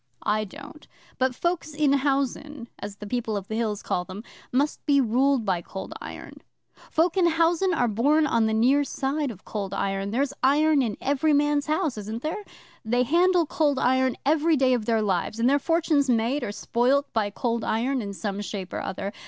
'I don't; but folks in housen, as the People of the Hills call them, must be ruled by Cold Iron. Folk in housen are born on the near side of Cold Iron there's iron 'in every man's house, isn't there? They handle Cold Iron every day of their lives, and their fortune's made or spoilt by Cold Iron in some shape or other.